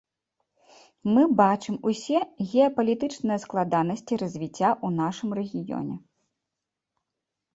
Мы бачым усе геапалітычныя складанасці развіцця ў нашым рэгіёне.